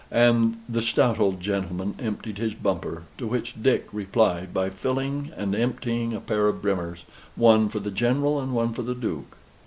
And the stout old gentleman emptied his bumper; to which Dick replied by filling and emptying a pair of brimmers, one for the General and one for the Duke.